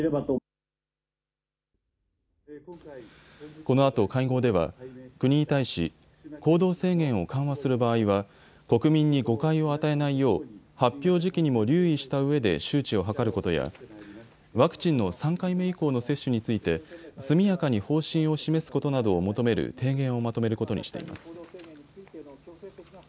このあと会合では国に対し行動制限を緩和する場合は国民に誤解を与えないよう発表時期にも留意したうえで周知を図ることやワクチンの３回目以降の接種について速やかに方針を示すことなどを求める提言をまとめることにしています。